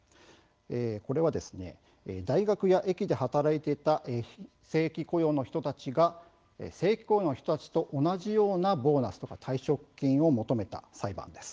これは大学や駅で働いていた非正規雇用の人たちが正規雇用の人たちと同じようなボーナスや退職金を求めた裁判です。